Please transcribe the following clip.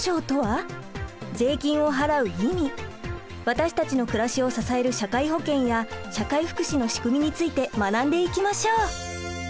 私たちの暮らしを支える社会保険や社会福祉の仕組みについて学んでいきましょう！